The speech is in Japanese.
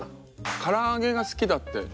からあげが好きだって。